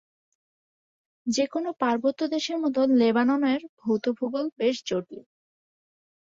যে কোনও পার্বত্য দেশের মতো লেবাননের ভৌত ভূগোল বেশ জটিল।